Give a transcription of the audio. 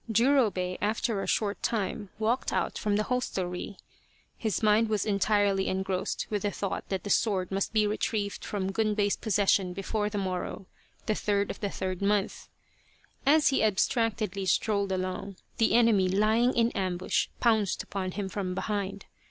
Jurobei, after a short time, walked out from the hostelry. His mind was entirely engrossed with the thought that the sword must be retrieved from Gun bei's possession before the morrow, the third of the third month. As he abstractedly strolled along, the enemy lying in ambush pounced upon him from behind.